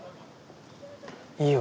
いいよ。